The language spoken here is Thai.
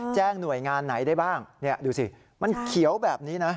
แจ้งหน่วยงานไหนได้บ้างดูสิมันเขียวแบบนี้นะ